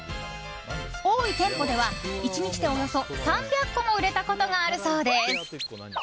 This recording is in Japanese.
多い店舗では１日でおよそ３００個も売れたことがあるそうです。